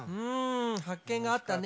発見があったね！